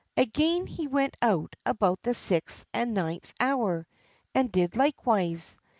Again he went out about the sixth and ninth hour, and did likewise.